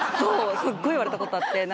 すっごい言われたことあって。